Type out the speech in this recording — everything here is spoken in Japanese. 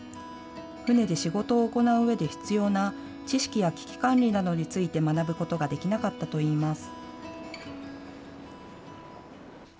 船で仕事を行ううえで必要な知識や危機管理などについて学ぶことができなかったといいます。